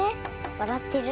わらってる。